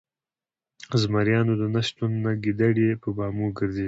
ـ زمريانو د نشتون نه ګيدړې په بامو ګرځي